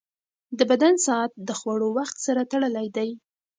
د بدن ساعت د خوړو وخت سره تړلی دی.